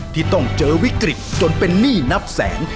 ที่ต้องเจอวิกฤตจนเป็นหนี้นับแสน